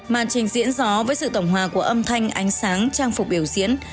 màn trình diễn gió với sự tổng hòa của âm thanh ánh sáng trang phục biểu diễn